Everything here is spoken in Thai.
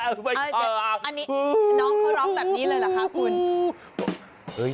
น้องเขาร้องแบบนี้เลยเหรอคะคน